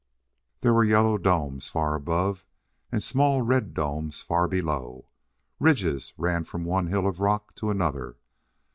There were yellow domes far above, and small red domes far below. Ridges ran from one hill of rock to another.